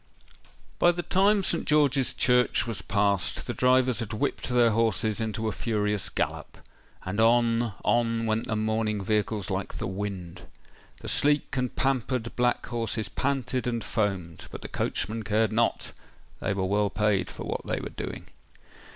By the time St. George's Church was passed, the drivers had whipped their horses into a furious gallop;—and on—on went the mourning vehicles like the wind. The sleek and pampered black horses panted and foamed; but the coachmen cared not—they were well paid for what they were doing.